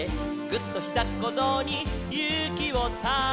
「ぐっ！とひざっこぞうにゆうきをため」